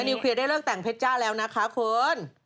นิวเคลียร์ได้เลิกแต่งเพชรจ้าแล้วนะคะคุณ